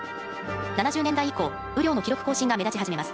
７０年代以降雨量の記録更新が目立ち始めます。